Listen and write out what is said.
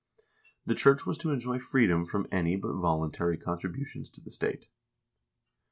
The church was to enjoy freedom from any but voluntary contributions to the state.